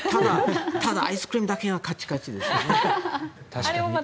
ただ、アイスクリームだけはカチカチですね。